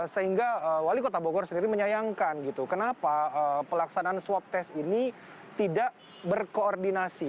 sehingga wali kota bogor sendiri menyayangkan gitu kenapa pelaksanaan swab test ini tidak berkoordinasi